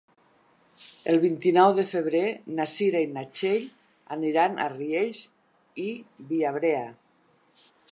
El vint-i-nou de febrer na Cira i na Txell aniran a Riells i Viabrea.